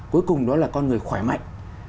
cuối cùng đó là con người khỏe mạnh